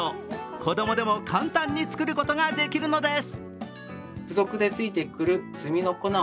子供でも簡単に作ることができるのです。